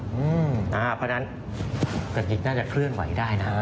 เพราะฉะนั้นเกษตรอินเตอร์เน็ตน่าจะเคลื่อนไหวได้นะ